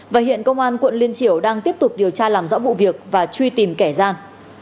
và hiện công an quận liên triểu đang tiếp tục điều tra làm rõ vụ việc và truy tìm kẻ gian